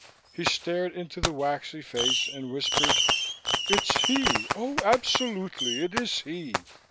He stared into the waxy face and whispered, "It's he! Oh, absolutely, it is he!"